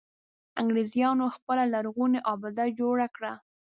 انګرېزانو خپله لرغونې آبده جوړه کړه.